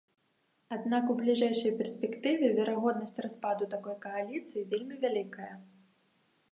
Аднак у бліжэйшай перспектыве верагоднасць распаду такой кааліцыі вельмі вялікая.